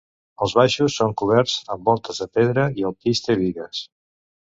Els baixos són coberts amb voltes de pedra i el pis té bigues.